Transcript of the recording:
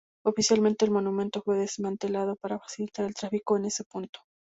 Oficialmente, el monumento fue desmantelado para facilitar el tráfico en ese punto.